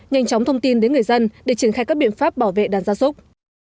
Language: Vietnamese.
nhanh chóng thông tin đến người dân để triển khai các biện pháp bảo vệ đàn gia súc